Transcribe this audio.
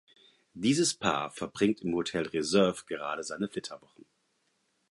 Dieses Paar verbringt im Hotel Reserve gerade seine Flitterwochen.